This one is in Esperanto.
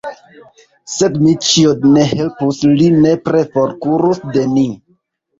Se Dmiĉjo ne helpus, li nepre forkurus de ni!